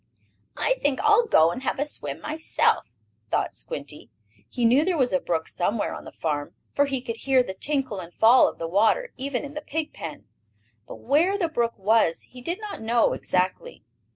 "I think I'll go and have a swim myself," thought Squinty. He knew there was a brook somewhere on the farm, for he could hear the tinkle and fall of the water even in the pig pen. But where the brook was he did not know exactly.